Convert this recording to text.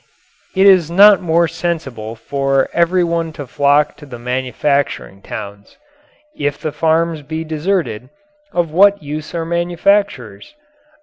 It is not more sensible for everyone to flock to the manufacturing towns. If the farms be deserted, of what use are manufacturers?